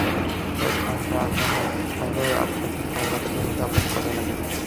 কয়েক ঘণ্টা জাহাজ সাগরে আটকে থাকায় যাত্রীদের মধ্যে আতঙ্ক দেখা দেয়।